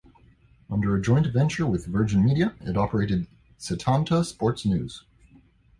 Under a joint venture with Virgin Media, it operated Setanta Sports News.